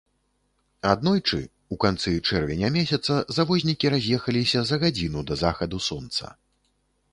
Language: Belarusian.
Аднойчы, у канцы чэрвеня месяца завознікі раз'ехаліся за гадзіну да захаду сонца.